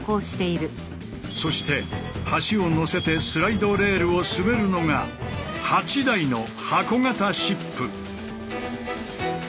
そして橋を載せてスライドレールを滑るのが８台の「箱型シップ」。